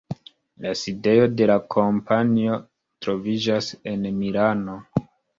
La sidejo de la kompanio troviĝas en Milano.